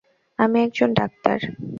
আমি একজন ডাক্তার।